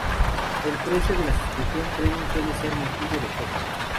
El precio de la suscripción premium suele ser motivo de queja.